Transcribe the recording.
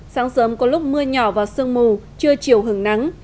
sáng sớm có lúc mưa nhỏ và sương mù trưa chiều hứng nắng